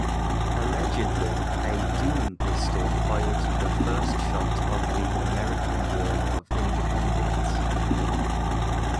Allegedly a Doune pistol fired the first shot of the American War of Independence.